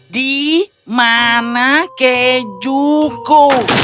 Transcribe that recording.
di mana kejuku